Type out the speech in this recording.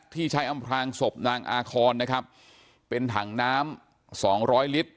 ที่ใช้อำพลางศพนางอาคอนนะครับเป็นถังน้ำสองร้อยลิตร